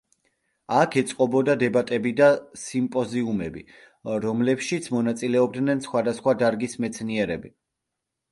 აქ ეწყობოდა დებატები და სიმპოზიუმები, რომლებშიც მონაწილეობდნენ სხვადასხვა დარგის მეცნიერები.